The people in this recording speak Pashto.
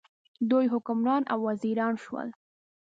دوی حکمران او وزیران شول.